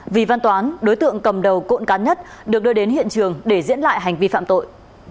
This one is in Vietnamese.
vì văn toán đối tượng cầm đầu cộn cán nhất được đưa đến hiện trường để diễn lại hành vi phạm tội